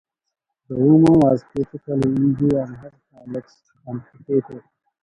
The woman was critically injured and had her legs amputated.